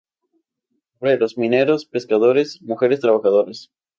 Obreros, mineros, pescadores, mujeres trabajadoras.